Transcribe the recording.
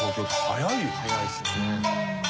早いですね。